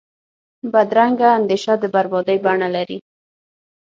بدرنګه اندیشه د بربادۍ بڼه لري